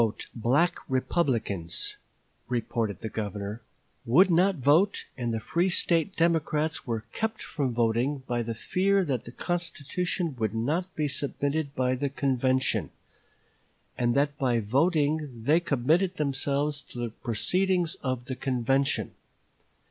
"The black Republicans," reported the Governor, "would not vote, and the free State Democrats were kept from voting by the fear that the constitution would not be submitted by the convention, and that by voting they committed themselves to the proceeding of the convention.